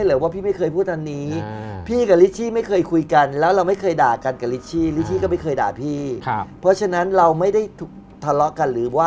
เห็นข่าวกันหมดเลยฮะ